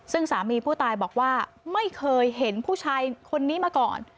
ซึ่งสามีผู้ตายบอกว่าไม่เคยเห็นผู้ชายคนนี้มาก่อน